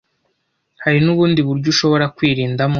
Hari n’ubundi buryo ushobora kwirindamo